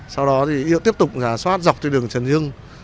sau đó thì tiếp tục giả soát dọc trên đường trần hưng